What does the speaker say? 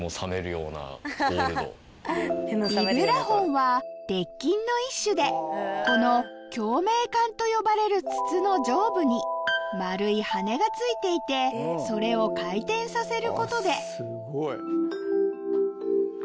ヴィブラフォンはこの共鳴管と呼ばれる筒の上部に丸いハネが付いていてそれを回転させることで